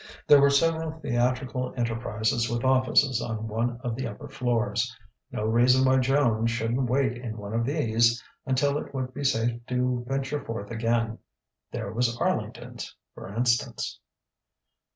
There were several theatrical enterprises with offices on one of the upper floors: no reason why Joan shouldn't wait in one of these until it would be safe to venture forth again. There was Arlington's, for instance.